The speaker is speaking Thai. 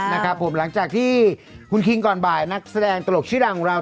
นะครับผมหลังจากที่คุณคิงก่อนบ่ายนักแสดงตลกชื่อดังของเรา